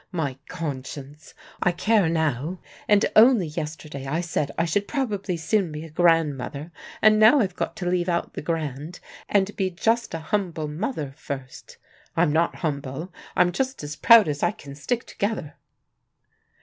My conscience! I care now, and only yesterday I said I should probably soon be a grandmother, and now I've got to leave out the grand, and be just a humble mother first. I'm not humble: I'm just as proud as I can stick together."